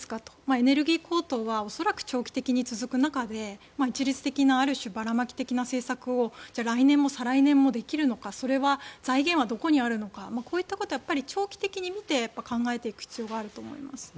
エネルギ−高騰は恐らく長期的に続く中で一律的なある種、ばらまき的な政策をじゃあ来年も再来年もできるのか財源はどこにあるのかこういったことは長期的に見て考えていく必要があると思います。